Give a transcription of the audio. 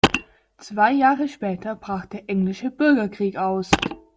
Zwei Jahre später brach der Englische Bürgerkrieg aus.